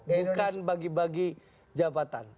bukan bagi bagi jabatan